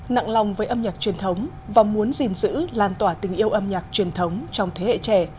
nặng lòng với âm nhạc truyền thống và muốn gìn giữ lan tỏa tình yêu âm nhạc truyền thống trong thế hệ trẻ